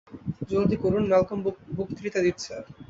জলদি করুন, ম্যালকম বক্তৃতা দিচ্ছে।